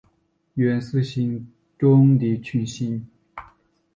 愿此行，终抵群星。